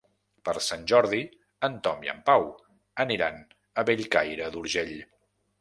Per Sant Jordi en Tom i en Pau aniran a Bellcaire d'Urgell.